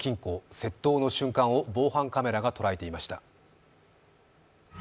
窃盗の瞬間を防犯カメラが捉えていました。